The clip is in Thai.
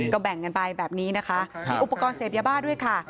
ก็แบ่งกันไปแบบนี้นะคะมีอุปกรณ์เสพยาบ้าด้วยค่ะ